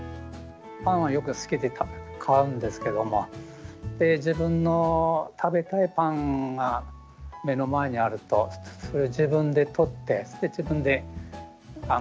パンはよく好きで買うんですけども自分の食べたいパンが目の前にあるとそれを自分で取って自分で買い物かごに入れると。